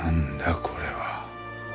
これは。